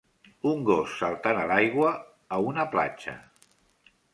Un gos saltant a l'aigua a una platja.